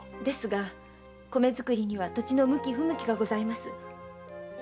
ですが米作りには土地の向き不向きがございます。